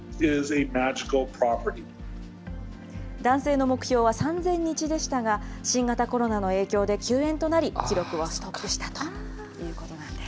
男性の目標は３０００日でしたが、新型コロナの影響で休園となり、記録はストップしたということなんです。